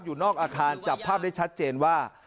อยู่นอกอาคารจับภาพได้ชัดเจนว่า